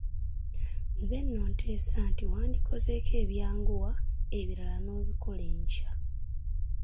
Nze nno nteesa nti wandikozeeko ebyanguwa ebirala n'obikola enkya.